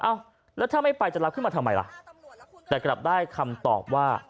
เอ้าแล้วถ้าไม่ไปจะรับขึ้นมาทำไมล่ะแต่กลับได้คำตอบว่า